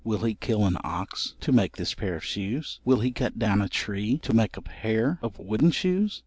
Will he kill an ox to make this pair of shoes? Will he cut down a tree to make a pair of wooden shoes?